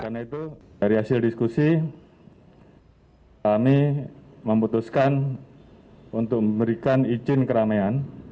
karena itu dari hasil diskusi kami memutuskan untuk memberikan izin keramaian